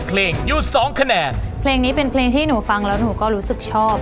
เพลงนี้เป็นเพลงที่หนูฟังและหนูก็รู้สึกชอบ